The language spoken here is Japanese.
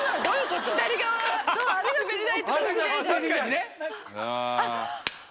確かにね！